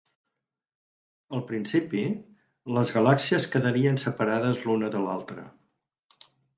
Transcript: Al principi, les galàxies quedarien separades l'una de l'altra.